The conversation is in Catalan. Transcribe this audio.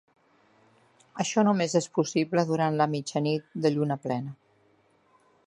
Això només és possible durant la mitjanit de lluna plena.